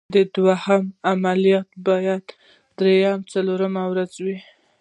د دوهم عملیات په دریمه څلورمه ورځ.